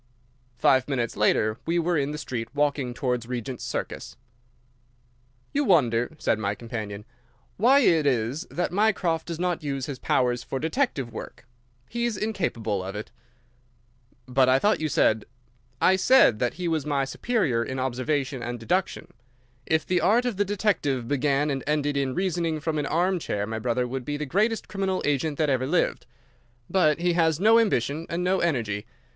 Five minutes later we were in the street, walking towards Regent's Circus. "You wonder," said my companion, "why it is that Mycroft does not use his powers for detective work. He is incapable of it." "But I thought you said—" "I said that he was my superior in observation and deduction. If the art of the detective began and ended in reasoning from an armchair, my brother would be the greatest criminal agent that ever lived. But he has no ambition and no energy.